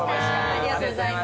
ありがとうございます。